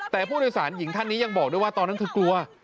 แต่ผู้โดยสารหญิงท่านนี้ยังบอกด้วยว่าตอนนั้นเธอกลัว